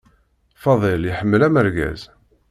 Fadil iḥemmel amergaz.